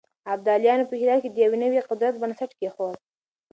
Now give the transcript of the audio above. ابدالیانو په هرات کې د يو نوي قدرت بنسټ کېښود.